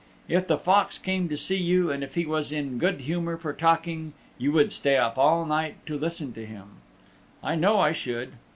If the Fox came to see you, and if he was in good humor for talking, you would stay up all night to listen to him. I know I should.